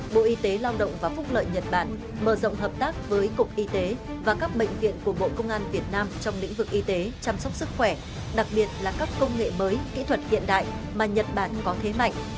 bộ y tế lao động và phúc lợi nhật bản mở rộng hợp tác với cục y tế và các bệnh viện của bộ công an việt nam trong lĩnh vực y tế chăm sóc sức khỏe đặc biệt là các công nghệ mới kỹ thuật hiện đại mà nhật bản có thế mạnh